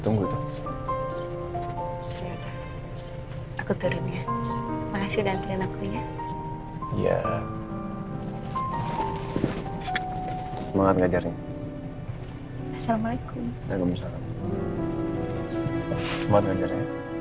ternyata ada pelangi setelah ada badai